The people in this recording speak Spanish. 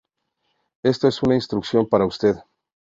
Esto es una instrucción para usted.